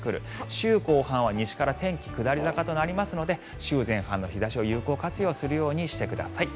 週後半は西から天気下り坂となりますので週前半の日差しを有効活用するようにしてください。